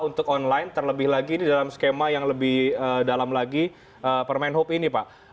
untuk online terlebih lagi di dalam skema yang lebih dalam lagi permen hub ini pak